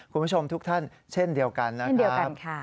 คุณผู้ชมทุกท่านเช่นเดียวกันนะครับ